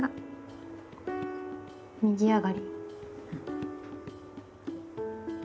右上がり。